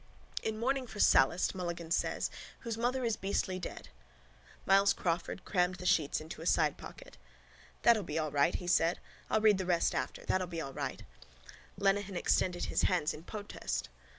_ In mourning for Sallust, Mulligan says. Whose mother is beastly dead. Myles Crawford crammed the sheets into a sidepocket. —That'll be all right, he said. I'll read the rest after. That'll be all right. Lenehan extended his hands in protest.